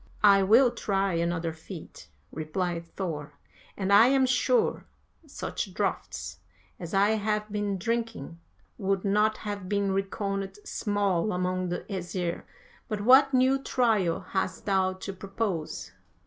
"'I will try another feat,' replied Thor, 'and I am sure such draughts as I have been drinking would not have been reckoned small among the Æsir; but what new trial hast thou to propose?'